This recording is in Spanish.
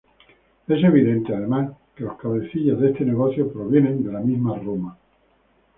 Es evidente además que los cabecillas de este negocio provienen de la misma Roma.